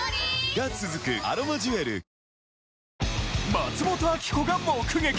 松本明子が目撃！